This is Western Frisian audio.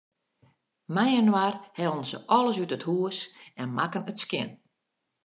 Mei-inoar hellen se alles út it hús en makken it skjin.